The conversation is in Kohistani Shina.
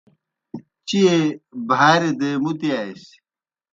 چیئے بھاریْ دے مُتِیاسیْ۔